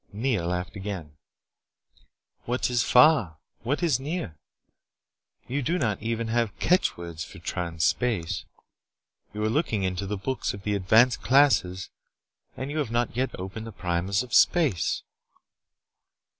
Nea laughed again. "What is far? What is near? You do not even have catch words for Trans Space. You are looking into the books of the advanced classes, and you have not yet opened the primers of space."